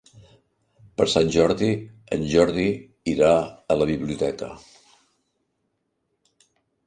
Per Sant Jordi en Jordi irà a la biblioteca.